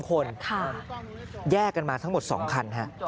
คนแยกกันมาทั้งหมด๒คัน